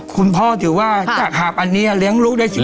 คุณพ่อถือว่าดักหาบอันนี้อ่ะเลี้ยงลูกได้สิบคน